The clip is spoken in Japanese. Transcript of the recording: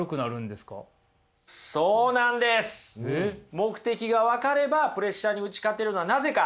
目的が分かればプレッシャーに打ち勝てるのはなぜか。